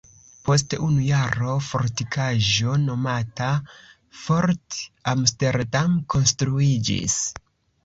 Post unu jaro fortikaĵo nomata "Fort Amsterdam" konstruiĝis.